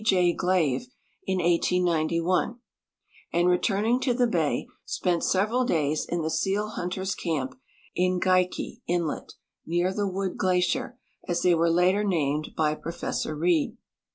J. Glave in 1891, and returning to the ba}'' spent several days, in the seal hunters' camp in Geikie inlet near the Wood glacier, as they were later named by Professor Reid.